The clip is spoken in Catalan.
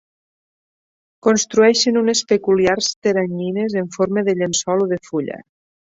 Construeixen unes peculiars teranyines en forma de llençol o de fulla.